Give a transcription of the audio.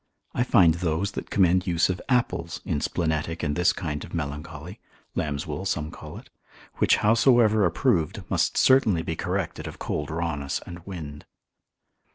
I find those that commend use of apples, in splenetic and this kind of melancholy (lamb's wool some call it), which howsoever approved, must certainly be corrected of cold rawness and wind.